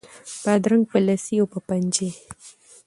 بادرنګ په لسي او په پنجي